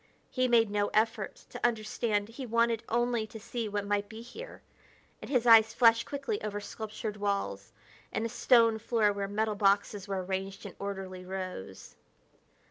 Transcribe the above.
He made no effort to understand; he wanted only to see what might be here; and his eyes flashed quickly over sculptured walls and a stone floor where metal boxes were arranged in orderly rows.